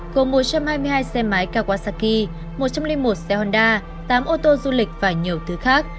gồm một trăm hai mươi hai xe máy kawasaki một trăm linh một xe honda tám ô tô du lịch và nhiều thứ khác